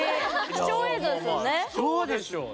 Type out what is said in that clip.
貴重でしょうね。